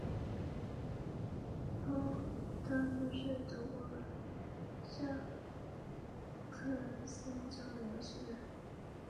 德尔彭是德国下萨克森州的一个市镇。